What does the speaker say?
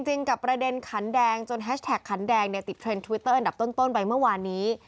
จริงกับประเด็นขันแดงจนแฮชแท็กขันแดงเนี่ยติดเทรนดทวิตเตอร์อันดับต้นไปเมื่อวานนี้